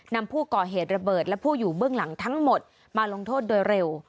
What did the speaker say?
นำผู้ก่อเหตุระเบิดและผู้อยู่เบื้องหลังทั้งหมดมาลงโทษโดยเร็ว